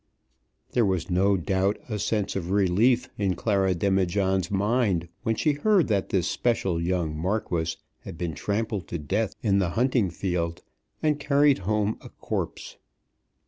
There was no doubt a sense of relief in Clara Demijohn's mind when she heard that this special young marquis had been trampled to death in the hunting field, and carried home a corpse.